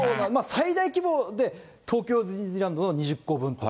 最大規模で、東京ディズニーランド２０個分と。